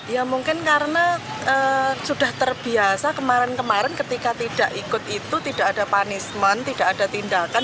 ya mungkin karena sudah terbiasa kemarin kemarin ketika tidak ikut itu tidak ada punishment tidak ada tindakan